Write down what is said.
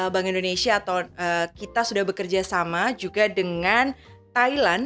bank indonesia atau kita sudah bekerja sama juga dengan thailand